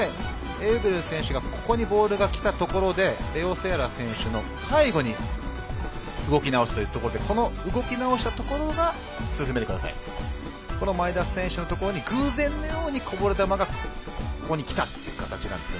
ここでボールが来たところでレオ・セアラ選手の背後に動き直すというところで動き直したところが前田選手のところに偶然のようにこぼれ球が来たということなんですね